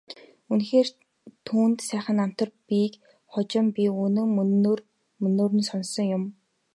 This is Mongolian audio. Үнэхээр ч түүнд сайхан намтар бийг хожим би үнэн мөнөөр нь сонссон юм.